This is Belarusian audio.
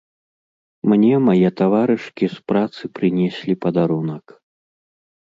Мне мае таварышкі з працы прынеслі падарунак.